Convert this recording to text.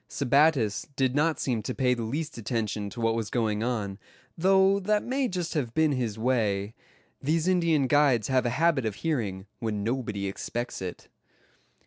Sebattis did not seem to pay the least attention to what was going on; though that may just have been his way. These Indian guides have a habit of hearing, when nobody expects it.